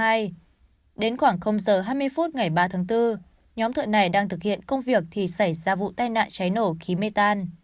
hai mươi phút ngày ba tháng bốn nhóm thợ này đang thực hiện công việc thì xảy ra vụ tai nạn cháy nổ khí mê tan